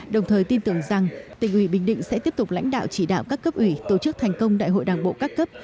đồng thời tin tưởng rằng tỉnh ủy bình định sẽ tiếp tục lãnh đạo chỉ đạo các cấp ủy tổ chức thành công đại hội đảng bộ các cấp